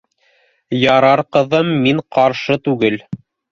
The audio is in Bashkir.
— Ярар, ҡыҙым, мин ҡаршы түгел